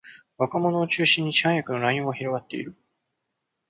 若者を中心に市販薬の乱用が広がっている